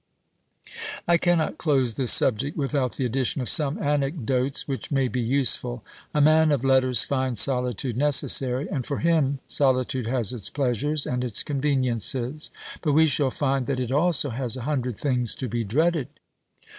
I cannot close this subject without the addition of some anecdotes, which may be useful. A man of letters finds solitude necessary, and for him solitude has its pleasures and its conveniences; but we shall find that it also has a hundred things to be dreaded.